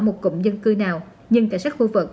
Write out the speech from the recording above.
một cụm dân cư nào nhưng cảnh sát khu vực